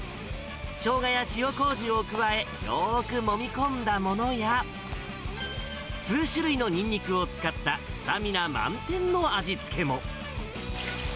ショウガや塩こうじを加え、よーくもみ込んだものや、数種類のニンニクを使ったスタミナ満点の味付けも。